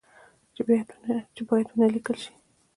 چې باید چي و نه لیکل شي